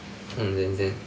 全然。